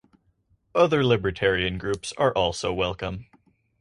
Other libertarian groups are also welcome.